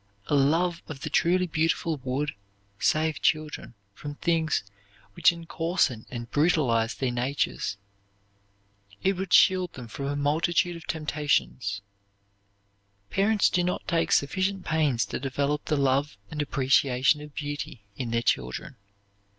A love of the truly beautiful would save children from things which encoarsen and brutalize their natures. It would shield them from a multitude of temptations. Parents do not take sufficient pains to develop the love and appreciation of beauty in their children.